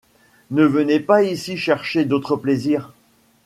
Ne venez pas ici chercher d'autre plaisir